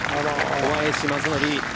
小林正則。